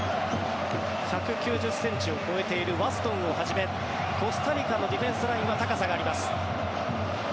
１９０ｃｍを超えているワストンをはじめコスタリカのディフェンスラインは高さがあります。